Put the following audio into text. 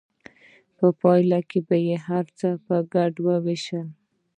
په پایله کې به یې هر څه په ګډه ویشل.